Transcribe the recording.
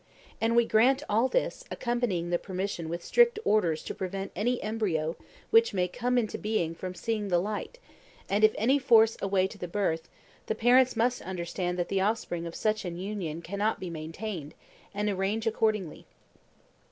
And we grant all this, accompanying the permission with strict orders to prevent any embryo which may come into being from seeing the light; and if any force a way to the birth, the parents must understand that the offspring of such an union cannot be maintained, and arrange accordingly.